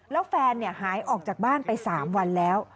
แล้วแฟนหายออกจากบ้านไป๓วันแล้ว